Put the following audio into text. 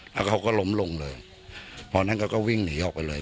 แล้วเขาก็ล้มลงเลยพอนั้นเขาก็วิ่งหนีออกไปเลย